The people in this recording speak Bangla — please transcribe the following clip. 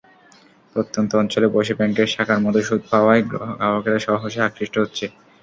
প্রত্যন্ত অঞ্চলে বসে ব্যাংকের শাখার মতো সুদ পাওয়ায় গ্রাহকেরা সহসাই আকৃষ্ট হচ্ছে।